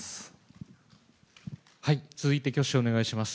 続いて挙手をお願いします。